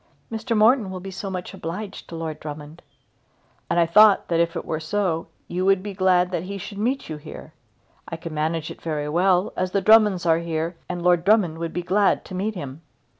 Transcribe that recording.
"Mr. Morton will be so much obliged to Lord Drummond." "And I thought that if it were so, you would be glad that he should meet you here. I could manage it very well, as the Drummonds are here, and Lord Drummond would be glad to meet him."